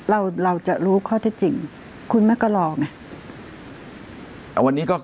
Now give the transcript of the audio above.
เราเราจะรู้ข้อที่จริงคุณแม่ก็รอไง